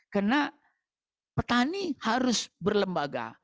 karena petani harus berlembaga